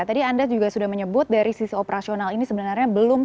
tadi anda juga sudah menyebut dari sisi operasional ini sebenarnya belum